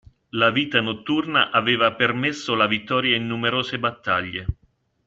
La vita notturna aveva permesso la vittoria in numerose battaglie.